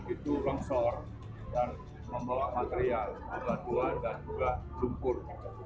itu rangsor dan membawa material alat dua dan juga lumpur